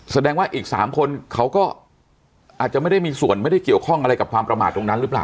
แสดงว่าอีก๓คนเขาก็อาจจะไม่ได้มีส่วนไม่ได้เกี่ยวข้องอะไรกับความประมาทตรงนั้นหรือเปล่า